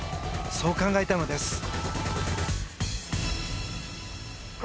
そう考えたのです。